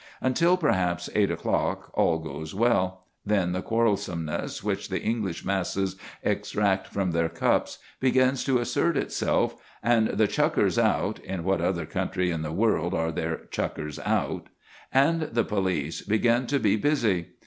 Until, perhaps, eight o'clock all goes well; then the quarrelsomeness which the English masses extract from their cups begins to assert itself, and the chuckers out (in what other country in the world are there chuckers out?) and the police begin to be busy.